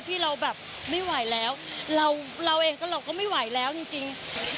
ที่เราแบบไม่ไหวแล้วเราเองก็เราก็ไม่ไหวแล้วจริง